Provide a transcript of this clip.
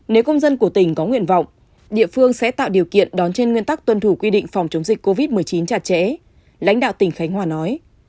nếu công dân của tỉnh có nguyện vọng địa phương sẽ tạo điều kiện đón trên nguyên tắc tuân thủ quy định phòng chống dịch covid một mươi chín chặt chẽ lãnh đạo tỉnh khánh hòa nói